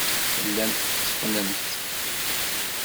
Tellamt tetteqqnemt.